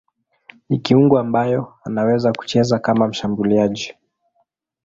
Ni kiungo ambaye anaweza kucheza kama mshambuliaji.